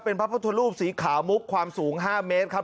เป็นพระพุทธรูปสีขาวมุกความสูง๕เมตรครับ